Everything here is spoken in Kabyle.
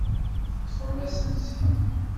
Teṭṭfem-asent-tt-id.